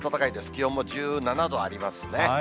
気温も１７度ありますね。